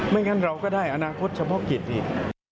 งั้นเราก็ได้อนาคตเฉพาะกิจนี่